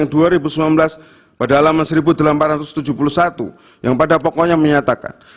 di dua ribu sembilan belas pada alaman seribu delapan ratus tujuh puluh satu yang pada pokoknya menyatakan